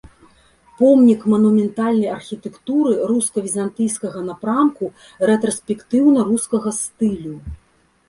Помнік манументальнай архітэктуры руска-візантыйскага напрамку рэтраспектыўна-рускага стылю.